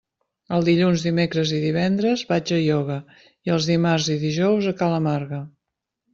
Els dilluns, dimecres i divendres vaig a ioga i els dimarts i dijous a ca la Marga.